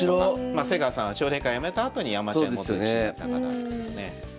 まあ瀬川さんは奨励会やめたあとにアマチュア戻って棋士になった方ですけどね。